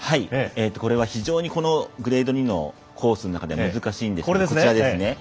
これは非常にグレード２のコースの中で難しいんですが、こちらです。